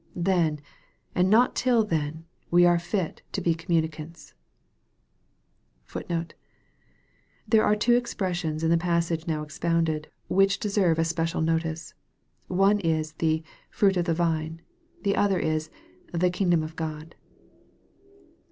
Then, and not till then, we are fit to be communicants.* * There are two expressions in the passage now expounded, which deserve a special notice. One is, the " fruit of the vine." The other is " the kingdom of God."